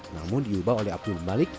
namun diubah oleh abdul mubalik